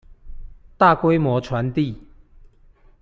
大規模傳遞